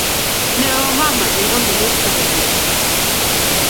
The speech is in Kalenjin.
Ne o mama eng kampunit nebo chego